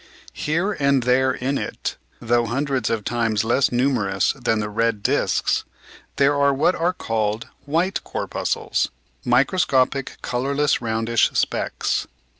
Here and there in it, though hundreds of times less numerous than the red disks, there are what are called "white corpuscles," microscopic colourless roundish specks.